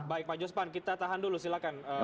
baik pak jospan kita tahan dulu silahkan